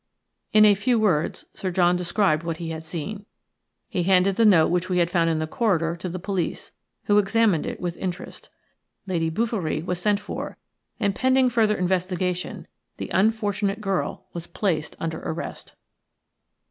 In a few words Sir John described what he had seen. He handed the note which we had found in the corridor to the police, who examined it with interest. Lady Bouverie was sent for, and pending further investigation the unfortunate girl was placed under arrest.